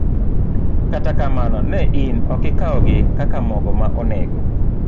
Kata kamano, ne ni ok okawgi kaka mago ma onego